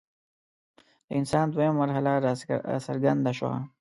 د انسان دویمه مرحله راڅرګنده شوه.